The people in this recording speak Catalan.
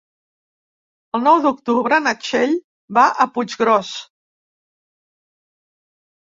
El nou d'octubre na Txell va a Puiggròs.